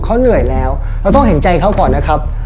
เขาเหนื่อยแล้วเราต้องเห็นใจเขาก่อนนะครับ